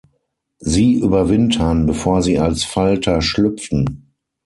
Sie überwintern, bevor sie als Falter schlüpfen.